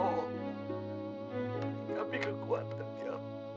berikan kami kekuatan ya